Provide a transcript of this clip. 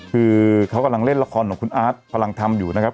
คือเขากำลังเล่นละครของคุณพอลังทำอยู่นะครับ